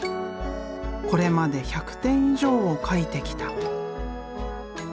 これまで１００点以上を描いてきた。